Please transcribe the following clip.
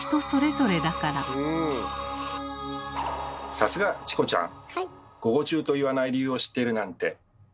さすがチコちゃん。